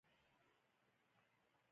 اوهو، پخیر راغلې.